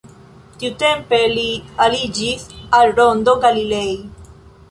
Tiutempe li aliĝis al Rondo Galilei.